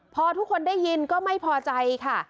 พอทุกคนได้ยินก็ไม่พอใจค่ะ